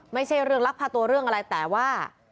ไม่ใช่เรื่องลักพาตัวเรื่องอะไรแต่ว่า